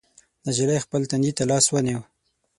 نجلۍ خپل تندي ته لاس ونيو.